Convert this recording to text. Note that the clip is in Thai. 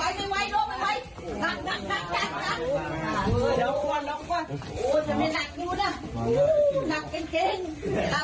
โอ้ยนางดนักนักนัก